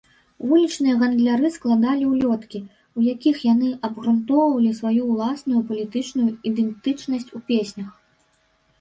Вулічныя гандляры складалі ўлёткі, у якіх яны абгрунтоўвалі сваю ўласную палітычную ідэнтычнасць у песнях.